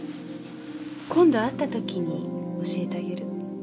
今度会った時に教えてあげる。